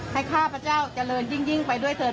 ข้าพเจ้าเจริญยิ่งไปด้วยเถิน